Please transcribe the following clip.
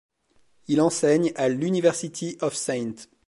Il enseigne à l'University of St.